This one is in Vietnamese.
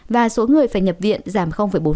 và số người phải nhập viện giảm bốn